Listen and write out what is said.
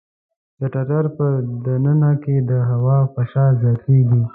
د ټټر په د ننه کې د هوا فشار زیاتېږي.